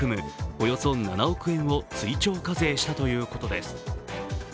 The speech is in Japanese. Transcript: およそ７億円を追徴課税したということです。